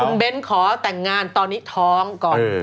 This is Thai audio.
คุณเบ้นขอแต่งงานตอนนี้ท้องก่อน